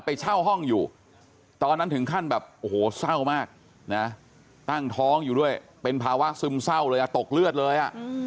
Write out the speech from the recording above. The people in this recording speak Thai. ไปเช่าห้องอยู่ตอนนั้นถึงขั้นแบบโอ้โหเศร้ามากนะตั้งท้องอยู่ด้วยเป็นภาวะซึมเศร้าเลยอ่ะตกเลือดเลย